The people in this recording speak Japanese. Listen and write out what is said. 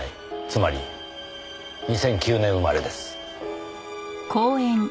つまり２００９年生まれです。